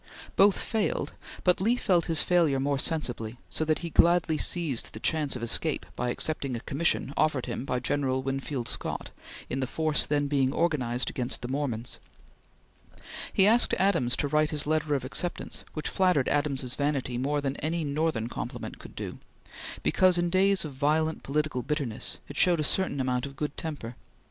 Both failed, but Lee felt his failure more sensibly, so that he gladly seized the chance of escape by accepting a commission offered him by General Winfield Scott in the force then being organized against the Mormons. He asked Adams to write his letter of acceptance, which flattered Adams's vanity more than any Northern compliment could do, because, in days of violent political bitterness, it showed a certain amount of good temper.